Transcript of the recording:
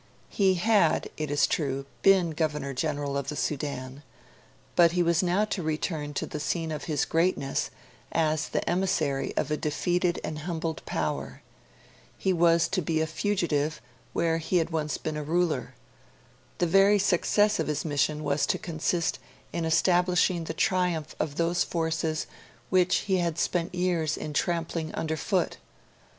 He had, it is true, been Governor General of the Sudan; but he was now to return to the scene of his greatness as the emissary of a defeated and humbled power; he was to be a fugitive where he had once been a ruler; the very success of his mission was to consist in establishing the triumph of those forces which he had spent years in trampling underfoot.